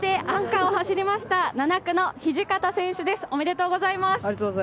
アンカーを走りました７区の土方選手です、おめでとうございます。